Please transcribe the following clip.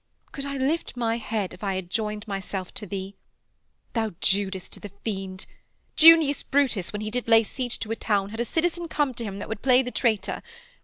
Could I lift my head if I had joined myself to thee? thou Judas to the Fiend. Junius Brutus, when he did lay siege to a town, had a citizen come to him that would play the traitor.